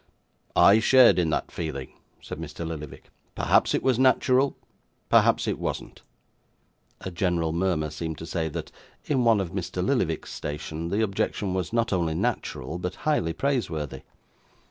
'I shared in that feeling,' said Mr. Lillyvick: 'perhaps it was natural; perhaps it wasn't.' A gentle murmur seemed to say, that, in one of Mr. Lillyvick's station, the objection was not only natural, but highly praiseworthy.